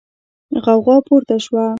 غوغا پورته شوه.